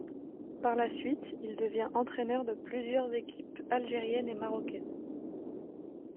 Par la suite, il devient entraîneur de plusieurs équipes algériennes et marocaines.